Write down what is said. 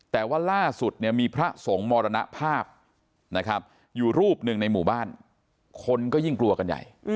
แต่ว่าล่าสุดเนี่ยมีพระสงฆ์มรณภาพนะครับอยู่รูปหนึ่งในหมู่บ้านคนก็ยิ่งกลัวกันใหญ่